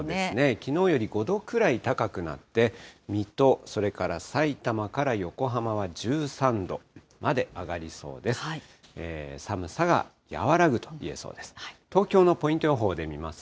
きのうより５度くらい高くなって、水戸、それからさいたまから横浜は１３度まで上がりそうです。